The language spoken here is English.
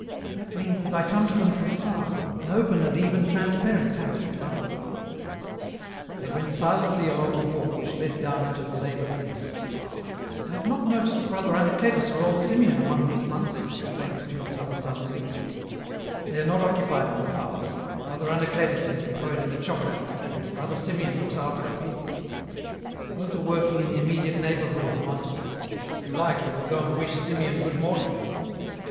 " That means that I come to them from far, an open and even transparent fact if you like." They went silently along a walk which led down into the labour fields. EN ROUTE. 225 •' f have not noticed Brother Anacletus or old Simeon among these monks," exclaimed Durtal, suddenly. " They are not occupied on the farm ; Brother Anacletus is employed in the chocolate factory, and Brother Simeon looks after the pigs ; both are working in the immediate neighbourhood of the monastery. If you like, we will go and wish Simeon good morning."